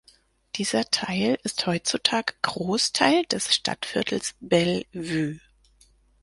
Dieser Teil ist heutzutage Großteil des Stadtviertels Belle Vue.